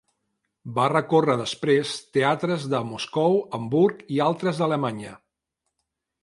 Va recórrer després teatres de Moscou, Hamburg i altres d'Alemanya.